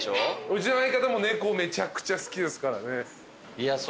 うちの相方も猫めちゃくちゃ好きですからね。